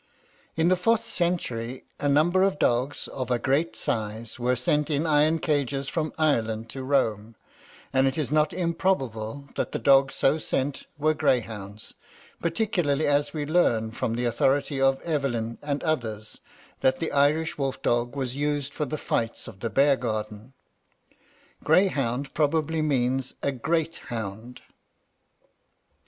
In the fourth century a number of dogs, of a great size, were sent in iron cages from Ireland to Rome, and it is not improbable that the dogs so sent were greyhounds, particularly as we learn from the authority of Evelyn and others, that the Irish wolf dog was used for the fights of the bear garden. "Greyhound" probably means a "great hound."